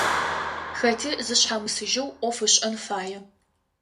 Хэти зышъхьамысыжьэу ӏоф ышӏэн фае.